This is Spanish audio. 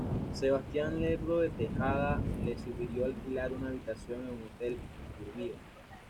Sebastián Lerdo de Tejada le sugirió alquilar una habitación en el hotel Iturbide.